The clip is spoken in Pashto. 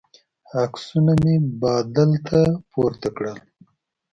عکسونه مې بادل ته پورته کړل.